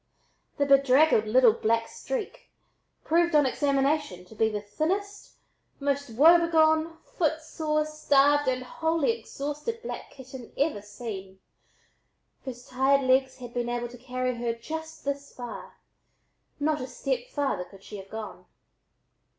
The bedraggled little "black streak" proved on examination to be the thinnest, most woebegone, footsore, starved and wholly exhausted black kitten ever seen, whose tired legs had been able to carry her just this far not a step farther could she have gone.